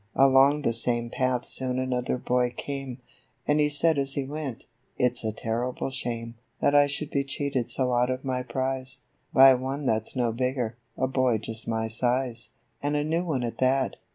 Along the same path soon another boy came ; And he said as he went, "It's a terrible shame That I should be cheafed so out of my prize By one that's no bigger, — a boy just my size, . And a new one at that.